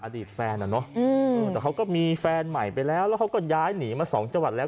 อดีตแฟนอ่ะเนอะแต่เขาก็มีแฟนใหม่ไปแล้วแล้วเขาก็ย้ายหนีมาสองจังหวัดแล้ว